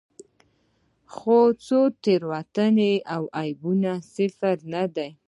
خو تېروتنې او عیبونه صفر نه دي.